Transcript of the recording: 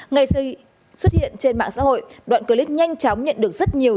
ngày xuất hiện trên mạng xã hội đoạn clip nhanh chóng nhận được rất nhiều